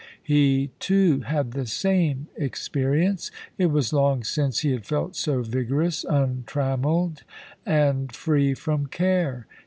He, too, had the same experience; it was long since he had felt so vigorous, untrammelled, and free from care.